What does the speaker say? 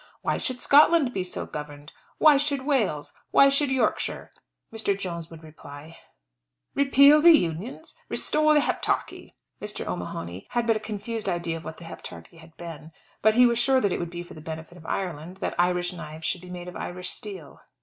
Why should Scotland be so governed, why should Wales, why should Yorkshire?" Mr. Jones would reply, "Repeal the Unions; restore the Heptarchy!" Mr. O'Mahony had but a confused idea of what the Heptarchy had been. But he was sure that it would be for the benefit of Ireland, that Irish knives should be made of Irish steel.